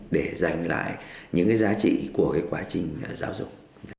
để giành lại những cái giá trị của cái quá trình giáo dục